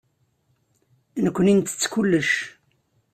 Nekkni nettess kullec.